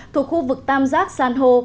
thuộc khu vực tam giác sanho